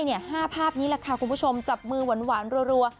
๕ภาพนี้แหละค่ะคุณผู้ชมจับมือหวานรัว